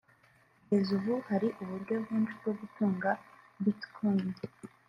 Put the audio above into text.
Kugeza ubu hari uburyo bwinshi bwo gutunga Bitcoin